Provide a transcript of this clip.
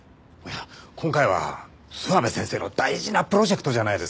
今回は諏訪部先生の大事なプロジェクトじゃないですか。